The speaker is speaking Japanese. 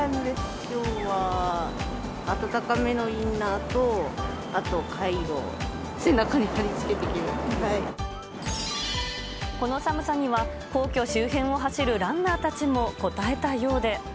きょうは暖めのインナーと、あとカイロ、背中に貼り付けてきこの寒さには、皇居周辺を走るランナーたちもこたえたようで。